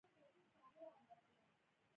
هر مظلوم ئې د حق یو ښکاره او عیني استدلال دئ